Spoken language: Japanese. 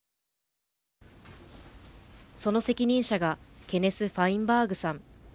その責任者がケネス・ファインバーグさん。